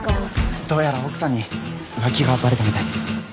どうやら奥さんに浮気がバレたみたいで。